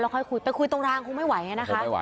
แล้วค่อยคุยแต่คุยตรงล่างคงไม่ไหว